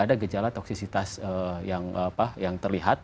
ada gejala toksisitas yang terlihat